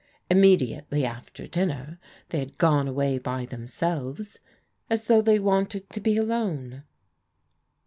Immediately after dinner they had gone away by themselves, as though they wanted to be alone.